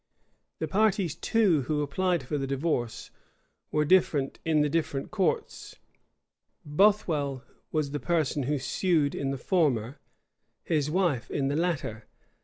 The parties, too, who applied for the divorce, were different in the different courts: Bothwell was the person who sued in the former; his wife in the latter.